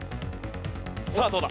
さあどうだ？